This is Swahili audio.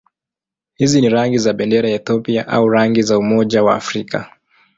Hizi ni rangi za bendera ya Ethiopia au rangi za Umoja wa Afrika.